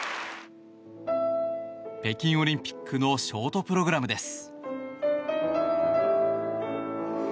北京オリンピックのショートプログラムです。